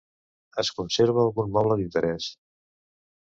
Es conserva algun moble d'interès.